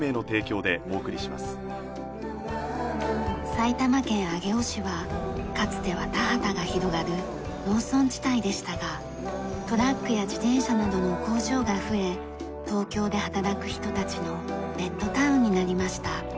埼玉県上尾市はかつては田畑が広がる農村地帯でしたがトラックや自転車などの工場が増え東京で働く人たちのベッドタウンになりました。